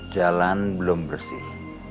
jalan belum bersih